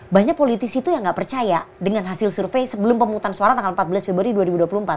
banyak politisi itu yang nggak percaya dengan hasil survei sebelum pemungutan suara tanggal empat belas februari dua ribu dua puluh empat